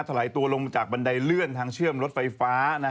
ไหลตัวลงมาจากบันไดเลื่อนทางเชื่อมรถไฟฟ้า